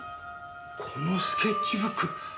このスケッチブック。